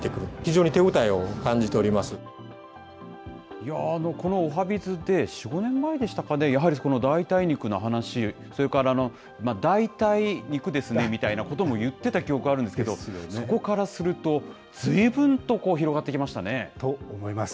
いやぁ、このおはＢｉｚで４、５年前でしたかね、やはりこの代替肉の話、それからだいたい肉ですねみたいなことも言ってた記憶あるんですけど、そこからするとずいぶんと広がってきましたね。と思います。